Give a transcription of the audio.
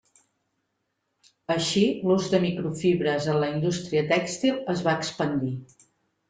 Així l'ús de microfibres en la indústria tèxtil es va expandir.